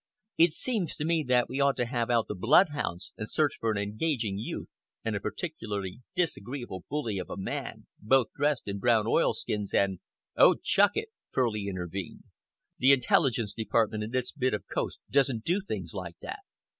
It seems to me that we ought to have out the bloodhounds and search for an engaging youth and a particularly disagreeable bully of a man, both dressed in brown oilskins and " "Oh, chuck it!" Furley intervened. "The intelligence department in charge of this bit of coast doesn't do things like that.